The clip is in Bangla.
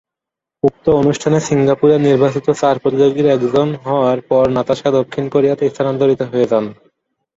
উক্ত অনুষ্ঠানে সিঙ্গাপুরের নির্বাচিত চার প্রতিযোগীর একজন হওয়ার পর নাতাশা দক্ষিণ কোরিয়াতে স্থানান্তরিত হয়ে যান।